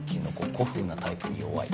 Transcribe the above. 古風なタイプに弱い。